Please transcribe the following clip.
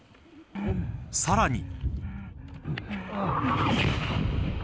さらに。